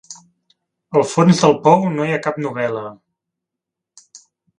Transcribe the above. Al fons del pou no hi ha cap novel·la.